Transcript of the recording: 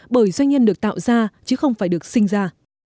bởi doanh nhân được tạo ra chứ không phải được sinh ra